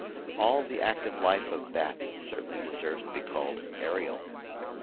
All the active life of bats certainly deserves to be called aerial.